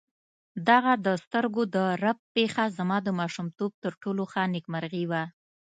دغه د سترګو د رپ پېښه زما د ماشومتوب تر ټولو ښه نېکمرغي وه.